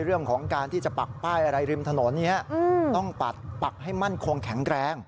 เรื่องของการที่จะปักป้ายอะไรริมถนนต้องปักให้มั่นคงแข็งแรง